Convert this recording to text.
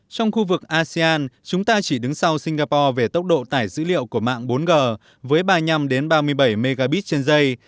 trong khu vực asean chúng ta chỉ đứng sau singapore về tốc độ tải dữ liệu của mạng bốn g với ba mươi năm ba mươi bảy mb trên dây